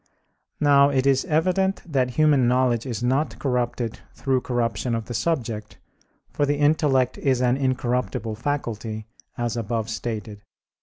Now it is evident that human knowledge is not corrupted through corruption of the subject, for the intellect is an incorruptible faculty, as above stated (Q.